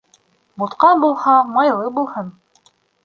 Бутҡа булһа, майлы булһын